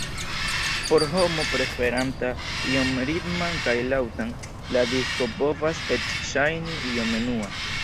Por homo preferanta ion ritman kaj laŭtan, la disko povas eĉ ŝajni iom enua.